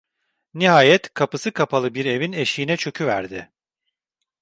Nihayet kapısı kapalı bir evin eşiğine çöküverdi.